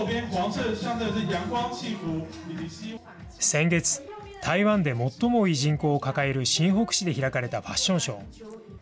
先月、台湾で最も多い人口を抱える新北市で開かれたファッションショー。